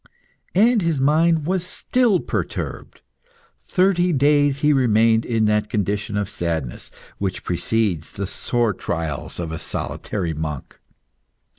And his mind was still perturbed. Thirty days he remained in that condition of sadness which precedes the sore trials of a solitary monk.